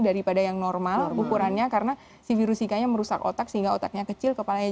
daripada yang normal ukurannya karena si virus zikanya merusak otak sehingga otaknya kecil kepalanya